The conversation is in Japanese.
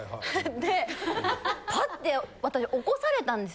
でパッて起こされたんです